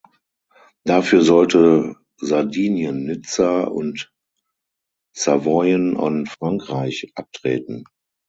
Dafür sollte Sardinien Nizza und Savoyen an Frankreich abtreten.